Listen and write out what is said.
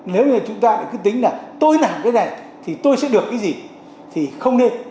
nếu như chúng ta cứ tính là tôi làm cái này thì tôi sẽ được cái gì thì không nên